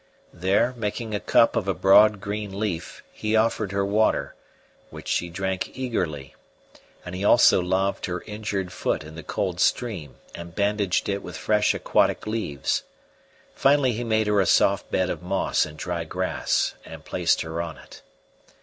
There, making a cup of a broad green leaf, he offered her water, which she drank eagerly; and he also laved her injured foot in the cold stream and bandaged it with fresh aquatic leaves; finally he made her a soft bed of moss and dry grass and placed her on it.